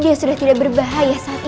ya sudah tidak berbahaya saat ini